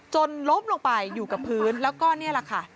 ล้มลงไปอยู่กับพื้นแล้วก็นี่แหละค่ะ